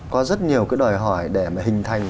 có rất nhiều cái đòi hỏi để mà hình thành